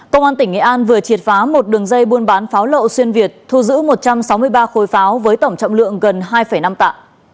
công an tỉnh nghệ an vừa triệt phá một đường dây buôn bán pháo lậu xuyên việt thu giữ một trăm sáu mươi ba khối pháo với tổng trọng lượng gần hai năm tạ